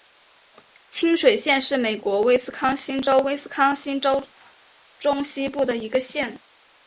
清水县是美国威斯康辛州威斯康辛州中西部的一个县。